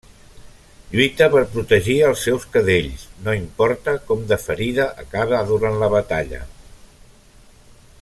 Lluita per protegir als seus cadells, no importa com de ferida acabe durant la batalla.